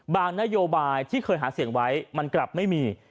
นโยบายที่เคยหาเสียงไว้มันกลับไม่มี